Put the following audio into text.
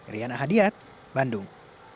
riana hadiat bandung